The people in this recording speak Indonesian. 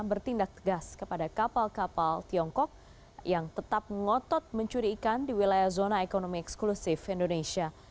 bertindak tegas kepada kapal kapal tiongkok yang tetap ngotot mencuri ikan di wilayah zona ekonomi eksklusif indonesia